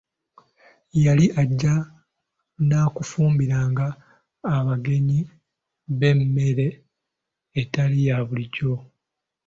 Yali ajja na kufumbiranga abagenyi be emmere etali ya bulijjo.